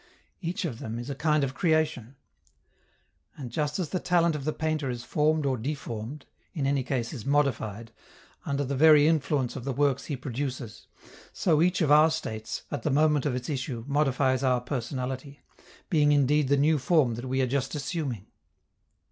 Each of them is a kind of creation. And just as the talent of the painter is formed or deformed in any case, is modified under the very influence of the works he produces, so each of our states, at the moment of its issue, modifies our personality, being indeed the new form that we are just assuming.